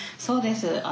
そうです。